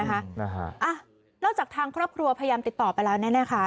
อ้าวนอกจากทางครอบครัวพยายามติดต่อไปแล้วแน่ค่ะ